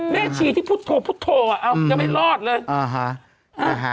แม่ฉี่ที่พุทธโตยังไม่รอดเลย